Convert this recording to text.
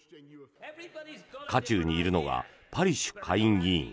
渦中にいるのはパリシュ下院議員。